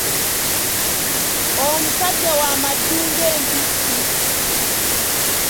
Omusajja wa maddu ng'empisi.